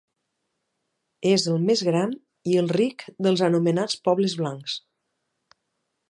És el més gran i el ric dels anomenats Pobles Blancs.